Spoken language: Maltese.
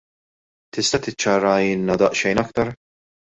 Tista' tiċċarahielna daqsxejn aħjar?